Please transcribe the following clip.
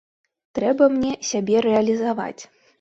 Трэба мне сябе рэалізаваць.